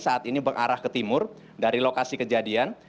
saat ini berarah ke timur dari lokasi kejadian